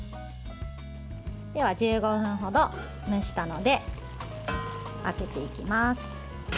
では１５分程蒸したので開けていきます。